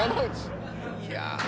いや。